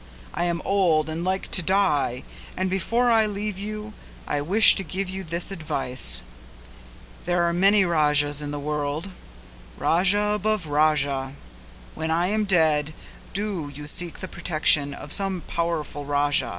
I am old and like to die and before I leave you I wish to give you this advice: there are many Rajas in the world, Raja above Raja; when I am dead do you seek the protection of some powerful Raja."